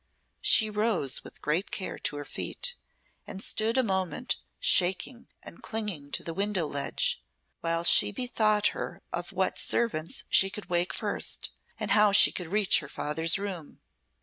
She rose with great care to her feet, and stood a moment shaking and clinging to the window ledge, while she bethought her of what servants she could wake first, and how she could reach her father's room.